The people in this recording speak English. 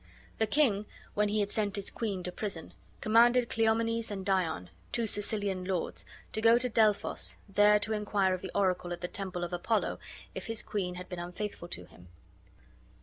The king, when he had sent his queen to prison, commanded Cleomenes and Dion, two Sicilian lords, to go to Delphos, there to inquire of the oracle at the temple of Apollo if his queen had been unfaithful to him.